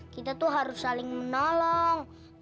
kita tuh harus saling menolong